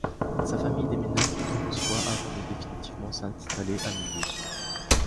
Sa famille déménage de nombreuses fois avant de définitivement s'installer à Mulhouse.